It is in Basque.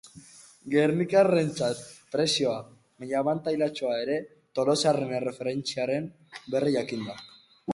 Gernikarrentzat presioa, baina abantailatxoa ere, tolosarren erreferentziaren berri jakinda.